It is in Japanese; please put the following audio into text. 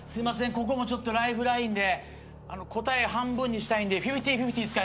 ここもちょっとライフラインで答え半分にしたいんでフィフティ・フィフティ使います。